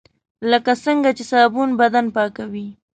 لکه څنګه چې صابون بدن پاکوي .